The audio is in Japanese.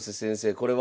これは？